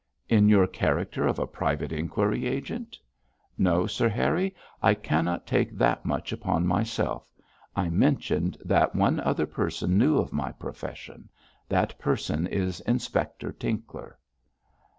'In your character of a private inquiry agent?' 'No, Sir Harry, I cannot take that much upon myself. I mentioned that one other person knew of my profession; that person is Inspector Tinkler.'